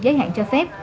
giới hạn cho phép